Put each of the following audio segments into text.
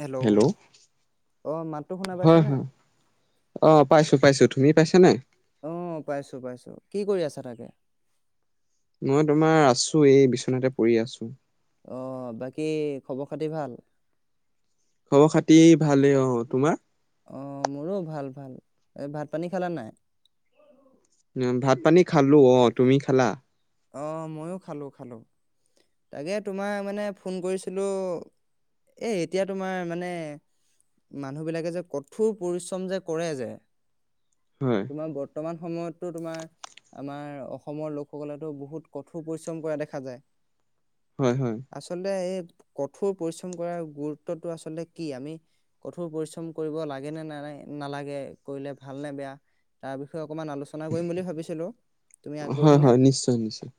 Hello? অ' মাতটো শুনা হয় পাইছানে? হয় অ', পাইছো পাইছো। তুমি পাইছা নাই? অ', পাইছো পাইছো কি কৰি আছা তাকে? মই তোমাৰ আছো এই বিচনাতে পৰি আছো। অ', বাকী খবৰ খাতি ভাল? খবৰ খাতি ভালেই অ', তোমাৰ? অ', মোৰো ভাল ভাল, এই ভাত পানী খালা নাই? উ ভাত পানী খালো অ', তুমি খালা? অ', ময়ো খালো খালো, তাকে তোমাৰ মানে ফোন কৰিছিলো এ এতিয়া তোমাৰ মানে মানুহবিলাকে যে কঠোৰ পৰিশ্ৰম যে কৰে যে হয় তোমাক বৰ্তমান সময়তো তোমাৰ আমাৰ অসমৰ লোকসকলে টো বহুত কঠোৰ পৰিশ্ৰম কৰা দেখা যায়। হয় হয় আচলতে এই কঠোৰ পৰিশ্ৰম কৰাৰ গুৰুত্বটো আচলতে কি আমি কঠোৰ পৰিশ্ৰম কৰিব লাগে নে না নালাগে কৰিলে ভাল নে বেয়া তাৰ বিষয়ে অকমান আলোচনা কৰিম বুলি ভাবিছিলোঁ। হয় হয় নিশ্চয় নিশ্চয়।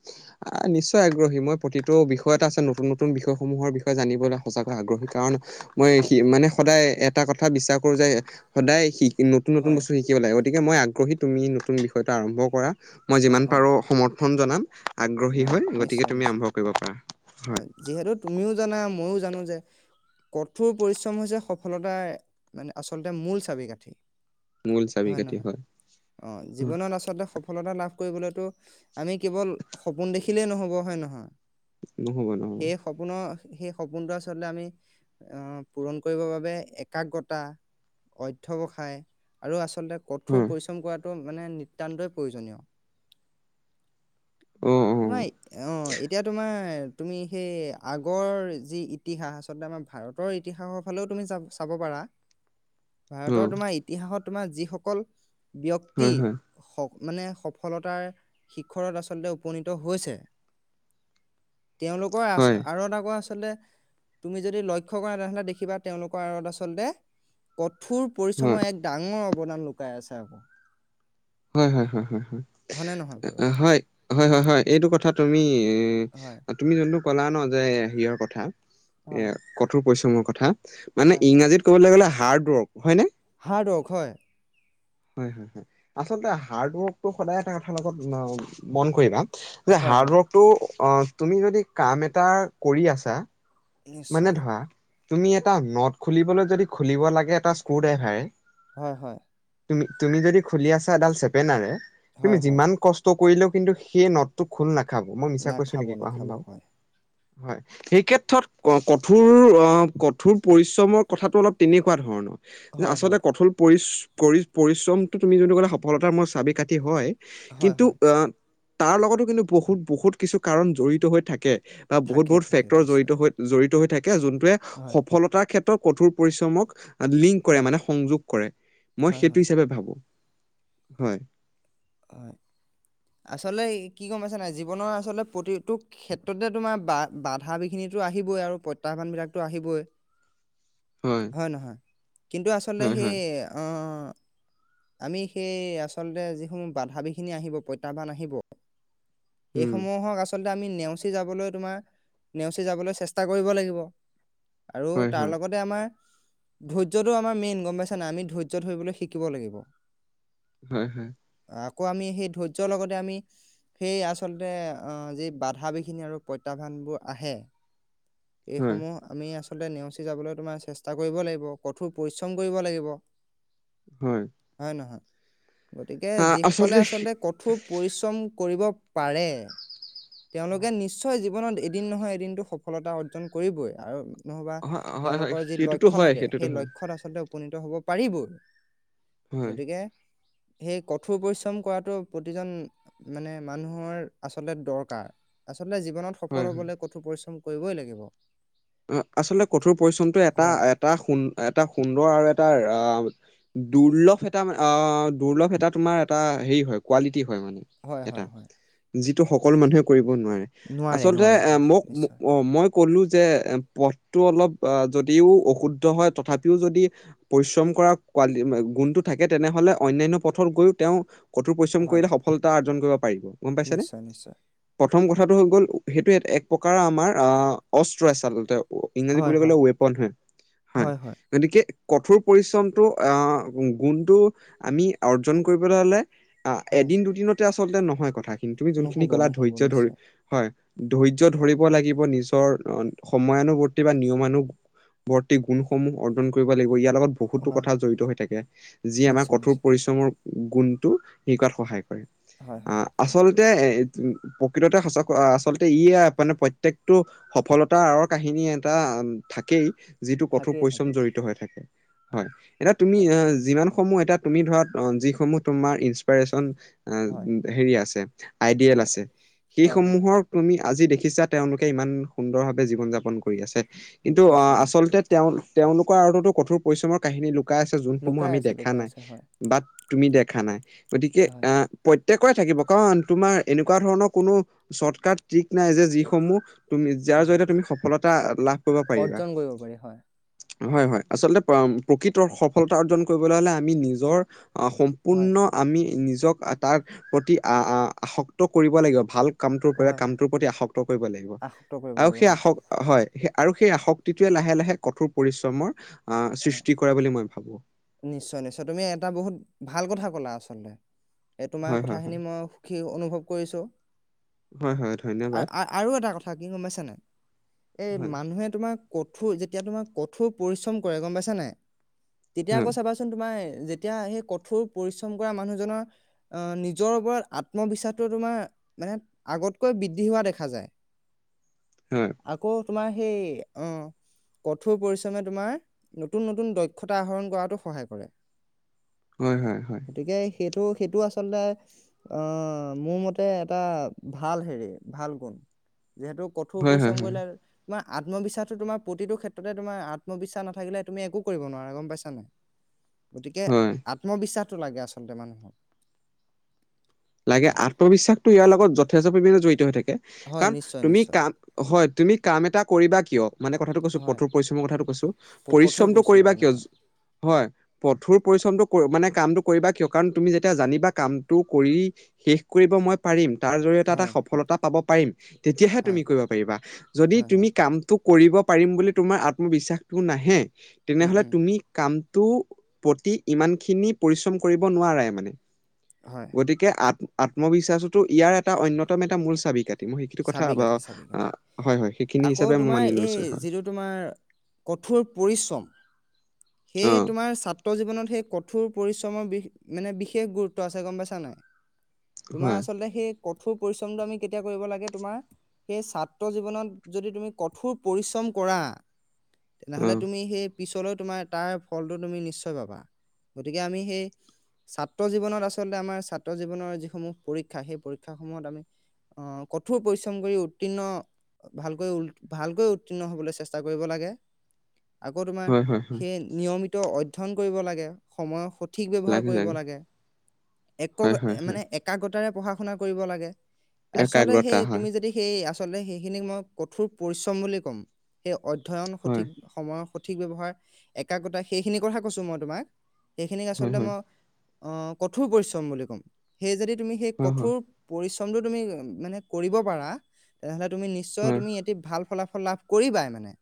নিশ্চয় আগ্ৰহী মই প্ৰতিটো বিষয়ত আছে নতুন নতুন বিষয়সমূহৰ বিষয়ে জানিবলৈ সঁচাকৈ আগ্ৰহী কাৰণ মই হয় হয়। মানে সদায় এটা কথা বিশ্বাস কৰো যে সদায় শিক নতুন নতুন হয় বস্তু শিক কিব লাগে গতিকে মই আগ্ৰহী তুমি নতুন বিষয়টো আৰম্ভ কৰা মই অ যিমান অ পাৰো সমৰ্থন জনাম ন আগ্ৰহী হয় গতিকে নিশ্চয় তুমি নিশ্চয় আৰম্ভ কৰিব পাৰা অ হয়। যিহেতু তুমিও জানা মইও জানো যে কঠোৰ পৰিশ্ৰম হৈছে সফলতাৰ মানে আচলতে মূল চাবি-কাঠি। মূল চাবি হয় কাঠি নহয় অ জীৱনত আচলতে সফ লতা লাভ কৰিবলৈতো আমি কেৱল সপোন দেখিলেই নহব হয় নহয় নহ'ব নহ'ব। সেই সপোনৰ সেই সপোনটো আচলতে আমি অহ পূৰণ কৰিবৰ বাবে একাগ্ৰতা, অধ্যৱসায় আৰু আচলতে কঠোৰ হয় পৰিশ্ৰম কৰাটো মানে নিতান্তই প্ৰয়োজনীয়। অ তোমাৰ অ এতিয়া তোমাৰ তুমি সেই আগৰ যি ইতিহাস আচলতে আমাৰ ভাৰতৰ ইতিহাসৰ ফালেও তুমি যা চাব পাৰা। অ অ ভাৰতৰ তোমাৰ ইতিহাসত তোমাৰ যিসকল ব্যক্তি হয় হয় স মানে সফলতাৰ শিখৰত আচ লতে উপনীত হৈছে তেওঁলোকৰ আ হয় আৰু এটা কোৱা আচলতে তুমি যদি লক্ষ্য কৰা তেনেহলে দেখিবা তেওঁলোকৰ আঁৰত আচলতে কঠোৰ পৰিশ্ৰমৰ এক ডাঙৰ অৱদান লুকাই আছে আকৌ। হয় হয় হয় হয় হয়নে নহয় বাৰু? হয়, হয় হয় হয় এইটো কথা তুমি হয়, তুমি যোনটো কলা ন যে সিয়ৰ কথা এ হয়, কঠোৰ পৰিশ্ৰমৰ কথা মানে হয়, ইংৰাজীত ক'বলৈ গ'লে হাৰ্ডৱৰ্ক হয়নে? হাৰ্ডৱৰ্ক হয়। হয় হয় হয় আচলতে হাৰ্ড ৱৰ্কটো সদায় এটা কথা লগত মন কৰিবা যে হয়, হয়। হাৰ্ডৱৰ্কটো অ তুমি যদি কাম এটা কৰি আছা মানে নিশ্চয়, ধৰা তুমি এটা নদ খুলিবলৈ যদি খুলিব লাগে এটা স্ক্ৰু ড্ৰাইভাৰে হয় হয় তুমি তুমি যদি খুলি আছা এডাল চেপেনাৰে তুমি হয়, হয়, যিমান কছ ষ্ট কৰিলেও কিন্তু সেই নদটো খোল নাখাব, মই মিছা কৈছো নাখাব নেকি কোৱাচোন নাখাব বাৰু। হয়। হয় এই ক্ষেত্ৰত অ' কঠোৰ অ কঠোৰ পৰিশ্ৰমৰ কথাটো অলপ তেনেকুৱা ধৰণৰ। যে হয়, আচলতে হয়। কঠোৰ পৰি পৰিশ্ৰমটো তুমি যনটো কলা সফলতাৰ মূল চাবি-কাঠী হয় হয়, কিন্তু হয়, আহ তাৰ লগতো কিন্তু বহুত বহুত কিছু কাৰণ জড়িত হৈ থাকে। বা বহুত থাকে বহুত থাকে ফেক্টৰ জড়িত নিশ্চয়। হৈ জড়িত হৈ থাকে। যোনটোৱে হয়। সফলতাৰ ক্ষেত্ৰ ৰ কঠোৰ পৰিশ্ৰমক লিংক কৰে হয়, মানে সংযোগ কৰে মই হয়, সেইটো হয়, হিচাপে ভাবোঁ, হয়। অ', আচলতে কি গম পাইছা নাই জীৱনৰ আচলতে প্ৰতিটোক- ক্ষেত্ৰতে তোমাৰ বা-বাধা বিঘিনিতো আহিবই আৰু প্ৰত্যাহ্বান বিলাকতো আহিবই। হয় নহয়, কিন্তু আচলতে হয় হয় সেই অ' আমি সেই আচলতে যিসমূহ বাধা বিঘিনি আহিব প্ৰত্যাহ্বান আহিব। উম এইসমূহক আচলতে আমি নেওচি যাবলৈ তোমাৰ নেওচি যাবলৈ চেষ্টা কৰিব লাগিব। আৰু হয় তাৰ হয় লগতে আমাৰ ধৈৰ্যটো আমাৰ মেইন গম পাইছা নাই, আমি ধৈৰ্য ধৰিবলৈ শিকিব লাগিব। হয় হয়। আকৌ আমি সেই ধৈৰ্যৰ লগতে আমি সেই আচলতে আ যি বাধা বিঘিনি আৰু প্ৰত্যাহ্বানবোৰ আহে। হয় এইসমূহ আমি আচলতে নেওচি যাবলৈ তোমাৰ চেষ্টা কৰিব লাগিব, কঠোৰ পৰিশ্ৰম কৰিব লাগিব। হয়। হয় নহয়, গতিকে যিসকলে আচলতে কঠোৰ পৰিশ্ৰম কৰিব পাৰে, তেওঁলোকে হয় নিশ্চ ঠয় জীৱনত এদিন নহয় এদিনতটো সফলতা অৰ্জন কৰিবই আৰু নহবা হয় হয় হয় তেওঁলোকৰ যি সেইটোতো লক্ষ্য হয় থাকে, সেইটোতো সেই হয় লক্ষ্য আচলতে উপনীত হ'ব পাৰিবই। হয় গতিকে, সেই কঠোৰ পৰিশ্ৰম কৰাটো প্ৰতিজন মানে মানুহৰ আচলতে দৰকাৰ, আচলতে জীৱনত- হয় সফল হয় হ'বলৈ কঠোৰ পৰিশ্ৰম কৰিবই লাগিব। অ-আচলতে কঠোৰ পৰিশ্ৰম টো এটা হয় এটা সু এটা সুন্দৰ আৰু এটা আহ' দুৰ্লভ এটা মানে আ দুৰ্লভ এটা তোমাৰ এটা হেৰি হয়, কোৱালিটি হয় মানে। হয় এটা হয় হয় যিটো সকলো মানুহে কৰিব নোৱাৰে। নোৱাৰে আচলতে নোৱাৰে এ হয় মোক মো নিশ্চয় অ', মই ক'লো যে এ পথটো অলপ আ যদিও অশুদ্ধ হয়, তথাপিও যদি পৰিশ্ৰম কৰা কোৱালি গুণটো থাকে তেনেহ'লে অন্যানয় পথত গৈও তেওঁ কঠোৰ পৰিশ্ৰম হয় কৰিলে সফলতা অৰ্জন কৰিব পাৰিব, গম পাইছেনে? নিশ্চয় নিশ্চয় প্ৰথম কথাটো হৈ গ'ল, সেইটো এত এক প্ৰকাৰ আমাৰ আ অস্ত্ৰ আচালতে। ৱ ইংৰাজীত হয় ক'বলে গ'লে হয় ৱেপন হয়, হয়। গতিকে কঠোৰ পৰিশ্ৰমটো আ গু-গুণটো আমি অৰ্জন কৰিবলৈ হ'লে আ, হয় এদিন দুদিনতে আচলতে নহয় কথা খিনি, তুমি যোনখিনি নহ'ব ক'লা নহ'ব ধৈৰ্য ধৰি, নিশ্চয় হয়, ধৈৰ্য্য অ ধৰিব লাগিব, নিজৰ অন সময়ানুবৰ্তি বা নিয়মানুবৰ্তি গুণসমূহ অৰ্জন ক কৰিব লাগিব, ইয়াৰ লগত বহুতো হয় কথা জড়িত হৈ থাকে, যি আমাৰ নিশ্চয় কঠোৰ নিশ্চয় পৰিশ্ৰ মৰ গুণটো হেৰি কৰাত সহায় কৰে, হয় আ হয় আচলতে এ [unintelligible] প্ৰকৃততে সঁচা আচলতে ই মানে প্ৰত্যেকটো সফলতা এটা আৰৰ কাহিনী এটা আ, থাকেই যিটো কঠোৰ থাকেই পৰিশ্ৰম থাকেই জৰিত হৈ থাকে, হয়। এতিয়া তুমি, আ যিমান সমূহ এতিয়া তুমি ধৰা অ', যিসমূহ তোমাৰ ইনচপাইৰেচন আ, হয়, হেৰি আছে, আইডিয়েল হয়, আছে, হয়, হয়, সেইসমূহৰ তুমি আজি দেখিছা, তেওঁলোকে ইমান সুন্দৰ ভাৱে জীৱন যাপন কৰি আছে নি- কিন্তু অ', নিশ্চয়, নিশ্চয়, আচলতে তেওঁ, তেওঁলোকৰ আৰততো কঠোৰ পৰিশ্ৰমৰ কাহিনী লুকাই আছে, যোনসমূহ লুকাই আমি আছে, দেখা লুকাই নাই। আছে, হয়, বা তুমি দেখা নাই, গতিকে হয়, আ প্ৰত্যেকৰে থাকিব, কাৰণ তোমাৰ এনেকুৱা ধৰণৰ কোনো চৰ্তকাট ট্ৰিক নাই যে, যি সমূহ তুমি যাৰ হয়, জৰিয়তে তুমি সফলতা লাভ কৰিব পাৰিবা। অৰ্জন কৰিব পাৰি, হয়, হয়, হয়, আচলতে প্ৰা-প্ৰকৃতৰ সফলতা অৰ্জন কৰিবলৈ হ'লে আমি নিজৰ আ, সৌম হয়, পূৰ্ণ আমি নিজক তাৰ প্ৰতি আ-আ-আসক্ত কৰিব লাগিব, ভাল কামটোৰ হয়, হয়, কামটোৰ প্ৰতি আসক্ত কৰিব লাগিব। আসক্ত কৰিব আৰু লাগিব, সেই হয়, আসক্ত হয়। আৰু সেই আসক্তিটোৱে লাহে লাহে কঠোৰ পৰিশ্ৰমৰ আহ হয়, সৃষ্টি কৰে বুলি মই ভাবোঁ। নিশ্চয়, নিশ্চয়, তুমি এটা বহুত ভাল কথা ক'লা। আচলতে এই তোমাৰ হয় হয় কথাখিনি হয় মই সুখী অনুভৱ কৰিছোঁ। হয় হয় ধন্যবাদ আৰু এটা কথা কি গমাইছেনে? এই হয় মানুহে তোমাক কঠোৰ যেতিয়া তোমাৰ কঠোৰ পৰিশ্ৰম কৰে গম পাইছা তেতিয়া হয়। আকৌ চাবাচোন আকৌ তোমাৰ যেতিয়া সেই কঠোৰ পৰিশ্ৰম কৰা মানুহজনৰ আহ নিজৰ ওপৰত আত্মবিশ্বাসটো তোমাৰ মানে আগতকৈ বৃদ্ধি হোৱা দেখা যায়। [unintelligible] উম আকৌ তোমাৰ সেই অঁ কঠোৰ পৰিশ্ৰমে তোমাৰ নতুন নতুন দক্ষতা আহৰণ কৰাতো সহায় কৰে। হয়, হয়, হয়। গতিকে সেইটো সেইটো আচলতে অ, মোৰ মতে এটা ভাল হেৰি ভাল গুণ। যিহেতু কঠোৰ হয়, হয়, পৰিশ্ৰম হয়, কৰিলে তোমাৰ আত্মবিশ্বাসটো তোমাৰ প্ৰতিটো ক্ষেত্ৰতে তোমাৰ আত্মবিশ্বাস না থাকিলে তুমি একো কৰিব নোৱাৰা গম পাইছা নাই গতিকে হয়। আত্মবিশ্বাসটো লাগে আচলতে মানুহক লাগে অ', আত্মবিশ্বাসটো ইয়াৰ লগত যথেষ্ট পৰিমাণে জড়িত হৈ থাকে। হয় কাৰণ নিশ্চয় তুমি নিশ্চয় কাম হয় তুমি কাম এটা কৰিবা কিয় মানে কথাটো কৈছোঁ হয় কঠোৰ পৰিশ্ৰমৰ কথাটো কৈছোঁ। প- কঠোৰ পৰিশ্ৰমটো পৰিশ্ৰমৰ কৰিবা কাৰণে কিয়? হয়। হয় কঠোৰ পৰিশ্ৰমটো মানে কামটো কৰিবা কিয় কাৰণ তুমি জানিবা কামটো কৰি শেষ কৰিব মই পাৰিম। তাৰ জৰিয়তে এটা হয় সফলতা পাব পাৰিম। তেতিয়াহে তুমি হয় কৰিব পাৰিবা। যদি হয় হয় তুমি কামটোক কৰিব পাৰিম বুলি তোমাৰ আত্মবিশ্বাসটো নাহে উম তেনেহলে উম তুমি কাম টো প্ৰতি ইমান খিনি পৰিশ্ৰম কৰিব নোৱাৰে মানে। হয়। গতিকে আত আত্মবিশ্বাসতো ইয়াৰ এটা অন্যতম এটা মূল চাবিকাঠি। মই সেইটো কথা চাবি কাঠি চাবি কাঠি হয় হয় সেইখিনি আকৌ হিচাপে মই তোমাৰ মানি এই লৈছো হয়। যিটো তোমাৰ কঠোৰ পৰিশ্ৰম সেই অ তোমাৰ ছাত্ৰ জীৱনত কঠোৰ পৰিশ্ৰমৰ মানে বিশেষ গুৰুত্ব আছে গম পাইছা নাই তোমাৰ হয় আচলতে সেই কঠোৰ পৰিশ্ৰমটো আমি কেতিয়া কৰিব লাগে। তোমাৰ সেই ছাত্ৰ জীৱনত যদি তুমি কঠোৰ পৰিশ্ৰম কৰা। অ তেনেহলে তুমি সেই পিছলৈ তোমাৰ তাৰ ফলটো তুমি নিশ্চয় পাবা। গতিকে আমি সেই ছাত্ৰ জীৱনত আচলতে আমাৰ ছাত্ৰ জীৱনৰ যিসমূহ পৰীক্ষা সেই পৰীক্ষাসমূহত আমি অ, কঠোৰ পৰিশ্ৰম কৰি উত্তীৰ্ণ ভালকৈ উল ভালকৈ উত্তীৰ্ণ হ'বলৈ চেষ্টা কৰিব লাগে। আকৌ তোমাৰ হয় হয় হয় সেই নিয়মিতো অধ্যয়ন কৰিব লাগে সময়ৰ স ঠিক ব্যৱহাৰ কৰিব লাগে। এক হয় হয় হয় মানে একাগ্ৰতাৰে পঢ়া শুনা কৰিব লাগে। আচলতে সেই একাগ্ৰতা হয় তুমি যদি সেই আচলতে সেইখিনিক মই কঠোৰ পৰিশ্ৰম বুলি ক'ম। সেই অধ্যয়ন হয় সঠিক সময়ৰ সঠিক ব্যৱহাৰ একাগ্ৰতা সেইখিনি কথা কৈছোঁ মই তোমাক। সেইখিনিক হয় আচলতে হয় মই অহ কঠোৰ পৰিশ্ৰম বুলি ক'ম। সেই যদি তুমি সেই হয় কঠোৰ পৰিশ্ৰমটো তুমি মানে কৰিব পাৰা, তেনেহ'লে তুমি নিশ্চয় হয় তুমি ভাল ফলাফল লাভ কৰিবাই মানে।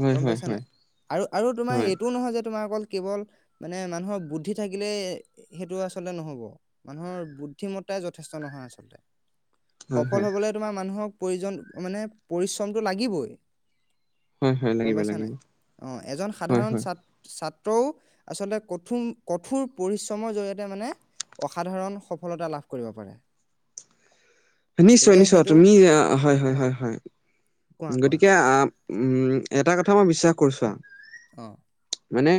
হয় গম হয় পাইছানে হয় নাই? আৰু আৰু তোমাৰ হয় হয় এইটোও নহয় যে তোমাৰ অকল- কেৱল মানে মানুহৰ বুদ্ধি থাকিলেই সেইটো আচলতে নহব। মানুহৰ বুদ্ধিমত্তাই যথেষ্ট নহয় আচলতে। হয় সফল হয় হবলৈ তোমাৰ মানুহক প্ৰয়োজন মানে পৰিশ্ৰমটো লাগিবই। হয় হয় লাগিব গম পাইছা নে লাগিব নাই? অঁ, এজন হয় সাধাৰণ হয় ছা- ছাত্ৰও আচলতে কঠোৰ কঠোৰ পৰিশ্ৰমৰ জৰিয়তে মানে- অসাধাৰণ সফলতা লাভ কৰিব পাৰে। নিশ্চয় গতিকে নিশ্চয়। সেইটো তুমি হয়, হয়, হয়, হয়। কোৱা কোৱা গতিকে আহ- উম, এটা কথা মই বিশ্বাস কৰোঁ, চোৱা- অঁ। মানে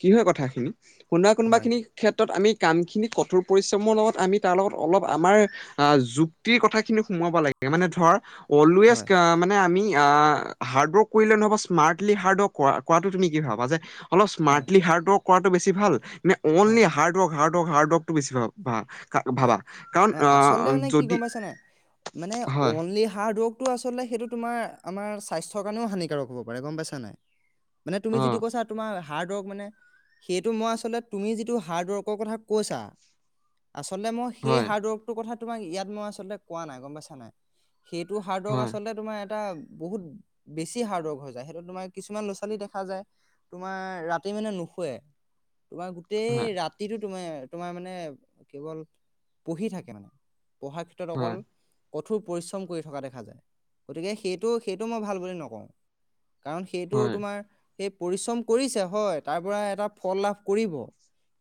কি হয় কথাখিনি? কোনোবা কোনোবা হয় খিনি- ক্ষেত্ৰত আমি কামখিনি কঠোৰ পৰিশ্ৰমৰ লগত আমি তাৰ লগত অলপ আমাৰ যু- যুক্তিৰ কথাখিনি সোমাব লাগে, মানে ধৰক অলৱেজ হয়। আ আমি আ- হাৰ্ড ৱৰ্ক কৰিলে নহ'ব, স্মাৰ্টলি হাৰ্ড ৱৰ্ক কৰাটো তুমি কি ভাবা? যে অলপ হয় স্মাৰ্টলি হাৰ্ড ৱৰ্ক- কৰাটো বেছি ভাল, নে হয়। অনলি হাৰ্ডৱৰ্ক, হাৰ্ডৱৰ্ক, হাৰ্ডৱৰ্কটো বেছি ভাল? ভা, আ- ভাবা কাৰণ অ, আচলতে আহ মানে কি গম যদি- পাইছা মানে হয় অনলি হাৰ্ডৱৰ্ক- টো আচলতে সেইটো তোমাৰ আমাৰ স্বাস্থ্য কাৰনেও হানিকাৰক হ'ব পাৰে, গম পাইছা নে নাই? মানে তুমি অ যিটো কৈছা, তোমাৰ- হাৰ্ডৱৰ্ক মানে, সেইটো মই আচলতে তুমি যিটো হাৰ্ডৱৰ্কৰ কথা কৈছা- আচলতে মই সেই হয় হাৰ্ডৱৰ্কটোৰ কথা তোমাক ইয়াত মই আচলতে কোৱা নাই, গম পাইছা নে নাই? সেইটো হাৰ্ডৱৰ্ক হয় আচলতে তোমাৰ এটা- বহুত বেছি হাৰ্ডৱৰ্ক হৈ যায়, সেইটোত তোমাৰ কিছুমান ল'ৰা ছোৱালী দেখা যায়। তোমাৰ ৰাতি মানে নুশুৱে, তোমাৰ - গোটেই হয় ৰাতিটো তোমাৰ, তোমাৰ মানে কেৱল পঢ়ি থাকে মানে। পঢ়াৰ ক্ষেত্ৰত হয় হয় অকল- কঠোৰ পৰিশ্ৰম কৰি থকা দেখা যায়। গতিকে সেইটো সেইটো মই ভাল বুলি নকওঁ। কাৰণ সেইটো হয় তোমাৰ- সেই পৰিশ্ৰম কৰিছে হয়, তাৰ পৰা এটা ফল লাভ কৰিব,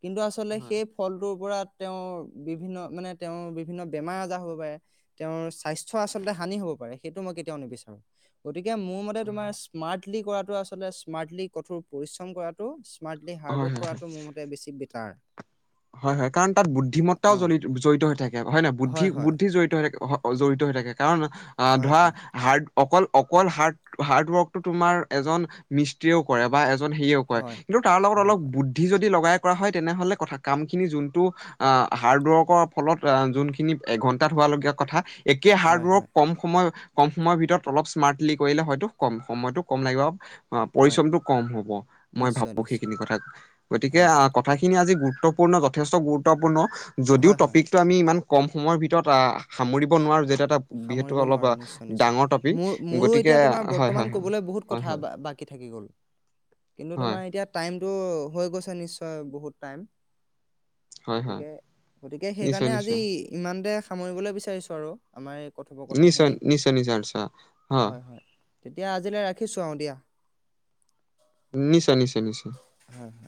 কিন্তু আচলতে সেই- হয় ফলটোৰ পৰা তেওঁৰ বিভিন্ন মানে তেওঁৰ বিভিন্ন বেমাৰ আজাৰ হ'ব পাৰে। তেওঁৰ স্বাস্থ্য আচলতে হানি হব পাৰে, সেইটো মই কেতিয়াও নিবিচাৰো। গতিকে মোৰ মতে তোমাৰ স্মাৰ্টলি কৰাটো, আচলতে স্মাৰ্টলি কঠোৰ পৰিশ্ৰম কৰা- টো স্মাৰ্টলি হয় হাৰ্ডৱৰ্ক হয় কৰাটো মোৰ মতে বেছি বেটাৰ। হয় হয়, কাৰণ তাত বুদ্ধিমত্তাও অ জড়িত জড়িত হৈ থাকে, হয় নে নহয়? বুদ্ধি-বুদ্ধি জড়িত হৈ থাকে। জড়িত হৈ থাকে, কাৰণ আহ হয় ধৰা হয় হাৰ্ড- অকল-অকল হাৰ্ড-হাৰ্ড ৱৰ্কটো তোমাৰ এজন মিস্ত্ৰীয়েও কৰে বা এজন হেৰীয়েও- কৰে, হয় কিন্তু তাৰলগত হয় অলপ হয় বুদ্ধি যদি লগাই কৰা হয় তেনেহলে কথা- কামখিনি যোনটো আহ হাৰ্ডৱৰ্কৰ ফলত যোনখিনি এঘন্টাত হোৱা লগীয়া কথা- একে হয় হাৰ্ডৱৰ্ক হয় কম সময়- কম সময়ৰ ভিতৰত অলপ স্মাৰ্টলি কৰিলে হয়তো কম সময়তটো কম লাগিব। অঁ, হয় পৰিশ্ৰমটো কম হব, মই নিশ্চয় ভাবো নিশ্চয় সেইখিনি কথা। গতিকে হয় কথাখিনি আজি গুৰুত্ব- পূৰ্ণ যথেষ্ট গুৰুত্বপূৰ্ণ, যদিও হয় হয় টপিকটো আমি ইমান- কম সময়ৰ ভিতৰত আ সামৰিব নোৱাৰো যেতিয়া এটা- যিহেতু সামৰিব অলপ নোৱাৰো, নিশ্চয় নিশ্চয়। ডাঙৰ টপিক মোৰ মোৰো গতিকে এতিয়া তোমাৰ হয় হয় বৰ্তমান কবলৈ বহুত হয় হয় কথা হয় বা-বা- কী থাকি থাকি গ'ল, কিন্তু হয় তোমাৰ এতিয়া টাইমটো হৈ গৈছে, নিশ্চয় বহুত টাইম। হয় হয় গতিকে গতিকে নিশ্চয় সেইকাৰণে আজি নিশ্চয় ইমানতে সামৰিবলৈ বিচাৰিছো আৰু আমাৰ এই কথোপকথন নিশ্চয় খিনি নিশ্চয় নিশ্চয় আটছা অ হয় হয় তেতিয়া আজিলৈ ৰাখিছোঁ আৰু দিয়া নিশ্চয় নিশ্চয় নিশ্চয় হো হো